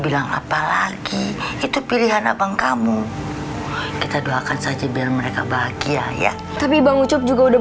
bilang apalagi itu pilihan abang kamu kita doakan saja dah mereka bahagia ya tapi bang ucup mudah